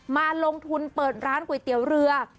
มาลงทุนเปิดร้านก๋วยเตี๋ยวเรือ